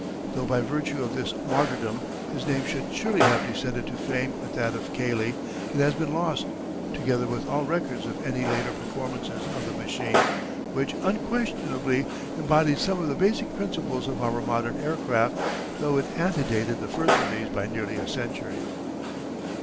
Though by virtue of this martyrdom his name should surely have descended to fame with that of Cayley it has been lost, together with all record of any later performances of the machine, which unquestionably embodied some of the basic principles of our modern aircraft, though it antedated the first of these by nearly a century.